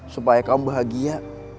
supaya kamu bahagia